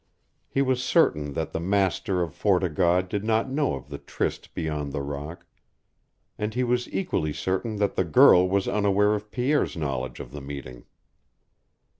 He was certain that the master of Fort o' God did not know of the tryst beyond the rock, and he was equally certain that the girl was unaware of Pierre's knowledge of the meeting.